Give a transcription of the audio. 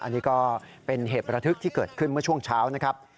อันนี้ก็เป็นเหตุประทึกที่เกิดขึ้นเมื่อช่วงเช้านะครับ